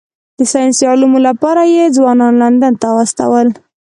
د ساینسي علومو لپاره یې ځوانان لندن ته واستول.